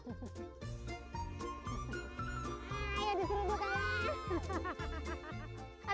ayo disuruh buatan